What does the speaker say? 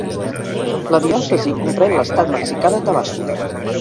La diòcesi comprèn l'estat mexicà de Tabasco.